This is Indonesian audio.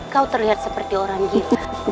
kau terlihat seperti orang kita